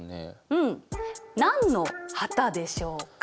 うん何の旗でしょうか？